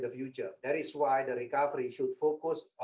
berfokus pada mengerjakan kesehatan publik